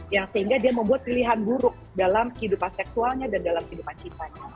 yang sehingga dia membuat pilihan buruk dalam kehidupan seksualnya dan dalam kehidupan cintanya